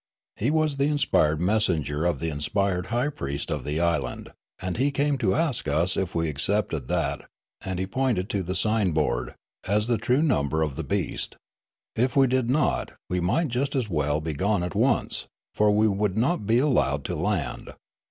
He was the inspired messenger of the inspired high priest of the island, and he came to ask us if we accepted that (and he pointed to the sign board) as the true number of the beast ; if we did not, we might just as well be gone at once ; for we would not be allowed to land.